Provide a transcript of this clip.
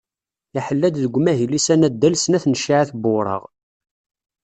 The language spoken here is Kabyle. Iḥella-d deg umahil-is anaddal snat n cciεat n wuraɣ.